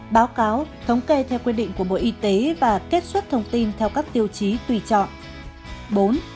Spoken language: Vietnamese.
báo cáo thống kê theo quy định của bộ y tế và kết xuất thông tin theo các tiêu chí tùy chọn